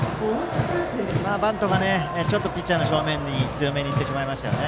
バントがピッチャーの正面に強めに行ってしまいましたね。